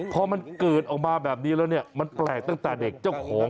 พอมันเกิดออกมาแบบนี้แล้วเนี่ยมันแปลกตั้งแต่เด็กเจ้าของ